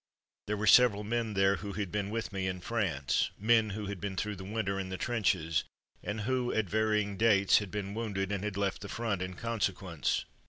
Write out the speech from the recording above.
There were several men there who had been with me in France; men who had been through the winter in the trenches, and who, at varying dates, had been wounded and had left the front in consequence.